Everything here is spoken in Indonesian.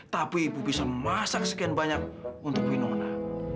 tapi ibu bisa memasak sekian banyak untuk winona